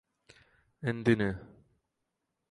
എന്തിനു